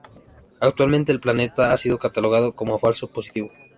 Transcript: Actualmente, el planeta ha sido catalogado como falso positivo.